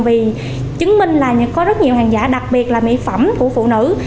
vì chứng minh là có rất nhiều hàng giả đặc biệt là mỹ phẩm của phụ nữ